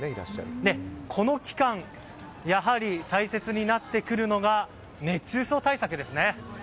この期間やはり、大切になってくるのが熱中症対策ですね。